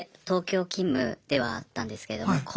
東京勤務ではあったんですけれども